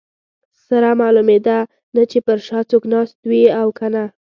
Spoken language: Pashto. سره معلومېده نه چې پر شا څوک ناست دي او که نه.